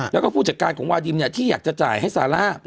แล้วก็ผู้จัดการของวาดิมที่อยากจะจ่ายให้ซาร่า